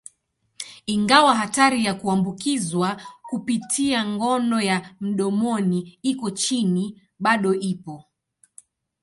Ingawa hatari ya kuambukizwa kupitia ngono ya mdomoni iko chini, bado ipo.